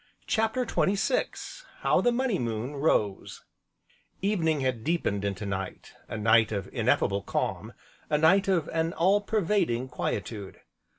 CHAPTER XXVI How the money moon rose Evening had deepened into night, a night of ineffable calm, a night of an all pervading quietude.